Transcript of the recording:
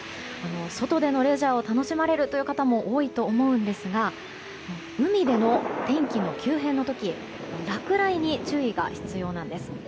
外でのレジャーを楽しまれるという方も多いと思うんですが海でも、天気の急変の時落雷に注意が必要なんです。